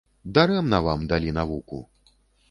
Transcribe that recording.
Дарэмна вам далі навуку.